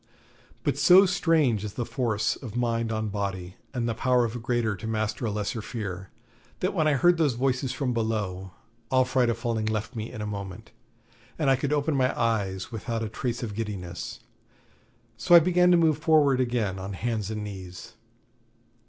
But so strange is the force of mind on body, and the power of a greater to master a lesser fear, that when I heard those voices from below, all fright of falling left me in a moment, and I could open my eyes without a trace of giddiness. So I began to move forward again on hands and knees.